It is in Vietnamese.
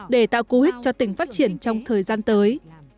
để tạo cú hích cho tỉnh phát triển trong thời gian tới